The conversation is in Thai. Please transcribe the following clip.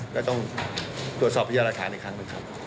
ก็ต้องตรวจสอบพัยยรธาณิอยู่กันครั้งหนึ่งครับ